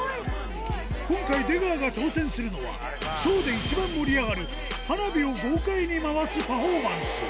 今回、出川が挑戦するのは、ショーで一番盛り上がる、花火を豪快に回すパフォーマンス。